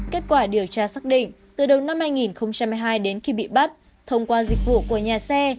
kết quả điều tra xác định từ đầu năm hai nghìn hai mươi hai đến khi bị bắt thông qua dịch vụ của nhà xe